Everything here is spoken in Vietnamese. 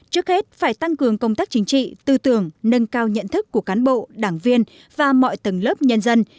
trước hết phải tăng cường công tác chính trị tư tưởng nâng cao nhận thức của cán bộ đảng viên và mọi tầng lớp nhân dân